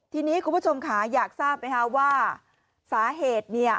ทีนี้คุณผู้ชมค่ะอยากทราบไหมคะว่าสาเหตุเนี่ย